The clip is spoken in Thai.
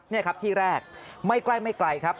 นี่ครับที่แรกไม่ไกลครับ